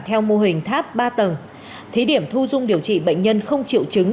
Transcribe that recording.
theo mô hình tháp ba tầng thí điểm thu dung điều trị bệnh nhân không triệu chứng